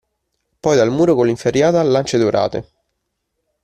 Poi dal muro con l'inferriata a lance dorate.